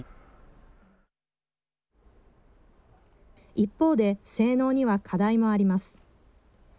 一方で性能には課題もあります。